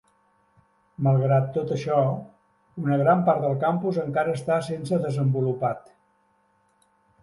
Malgrat tot això, una gran part del campus encara està sense desenvolupat.